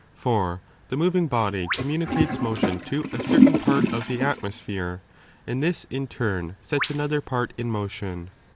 For the moving body communicates motion to a certain part of the atmos phere, and this in turn sets another part in motion.